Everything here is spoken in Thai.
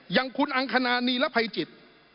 อย่างคุณอังคณานีรภัยจิต